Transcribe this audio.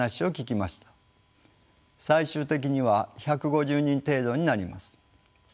最終的には１５０人程度になります。